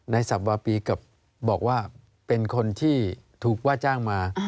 สับวาปีกับบอกว่าเป็นคนที่ถูกว่าจ้างมา